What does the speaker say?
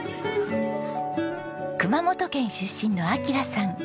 熊本県出身の明さん。